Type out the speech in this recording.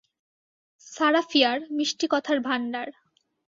Sarah Fear, মিষ্টি কথার ভান্ডার।